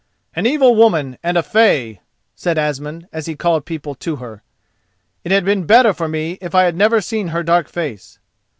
"An evil woman and a fey!" said Asmund as he called people to her. "It had been better for me if I had never seen her dark face."